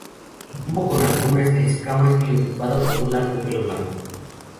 Su tubo con algunas escamas y ocupada por un largo pelo blanco.